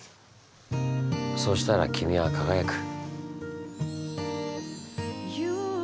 そしたら君は輝く。